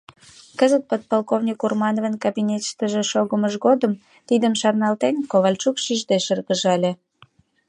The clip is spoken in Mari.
Кызыт, подполковник Урмановын кабинетыштыже шогымыж годым, тидым шарналтен, Ковальчук шижде шыргыжале.